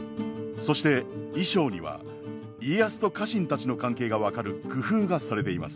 そして衣装には家康と家臣たちの関係が分かる工夫がされています。